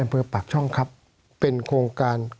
สวัสดีครับทุกคน